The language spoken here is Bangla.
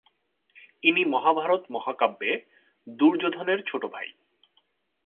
ইনি মহাভারত মহাকাব্যে দুর্যোধনের ছোট ভাই।